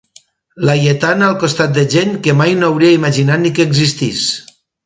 Laietana al costat de gent que mai no hauria imaginat ni que existís.